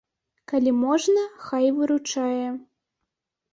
Калі можна, хай выручае.